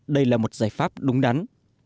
đây là một giải pháp đúng đắn